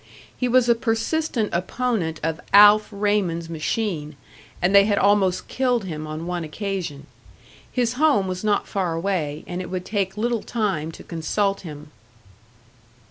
He was a persistent opponent of "Alf" Raymond's machine, and they had almost killed him on one occasion. His home was not far away, and it would take little time to consult him.